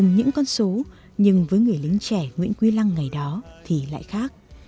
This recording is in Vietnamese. nhưng với người lính trẻ nguyễn quý lăng ngày đó thì lại khác